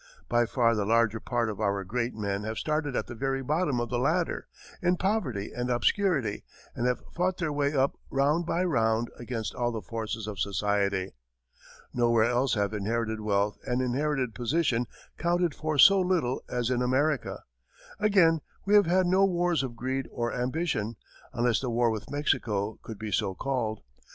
By far the larger part of our great men have started at the very bottom of the ladder, in poverty and obscurity, and have fought their way up round by round against all the forces of society. Nowhere else have inherited wealth and inherited position counted for so little as in America. Again, we have had no wars of greed or ambition, unless the war with Mexico could be so called.